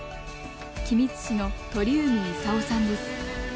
君津市の鳥海勲さんです。